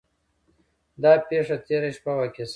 دا پیښه تیره شپه واقع شوې وه.